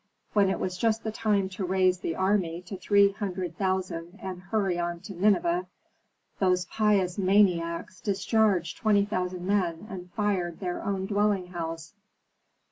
"When it was just the time to raise the army to three hundred thousand and hurry on to Nineveh, those pious maniacs discharged twenty thousand men and fired their own dwelling house."